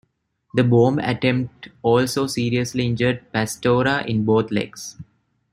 The bomb attempt also seriously injured Pastora in both legs.